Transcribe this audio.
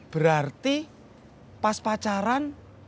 berarti pas pacaran